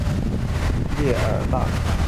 穆列尔讷。